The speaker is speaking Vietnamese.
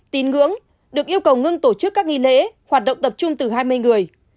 tín ngưỡng được yêu cầu ngưng tổ chức các nghi lễ hoạt động tập trung từ hai mươi người